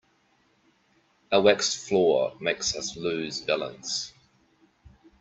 A waxed floor makes us lose balance.